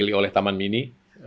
diwakili oleh taman mini